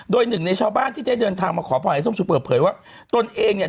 โดยหนึ่งในชาวบ้านที่ได้เดินทางมาขอพรไอ้ส้มชูเปิดเผยว่าตนเองเนี่ย